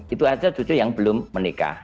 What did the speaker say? itu aja cucu yang belum menikah